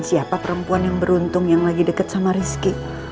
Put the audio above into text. siapa perempuan yang beruntung yang lagi deket sama rizky